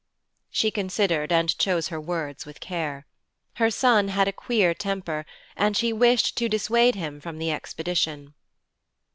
She considered, and chose her words with care. Her son had a queer temper, and she wished to dissuade him from the expedition.